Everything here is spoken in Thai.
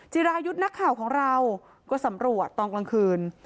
รายุทธ์นักข่าวของเราก็สำรวจตอนกลางคืน